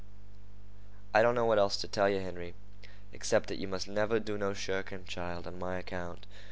"I don't know what else to tell yeh, Henry, excepting that yeh must never do no shirking, child, on my account.